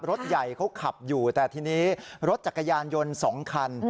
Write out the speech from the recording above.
รถใหญ่เขาขับอยู่แต่ทีนี้รถจักรยานยนต์๒คัน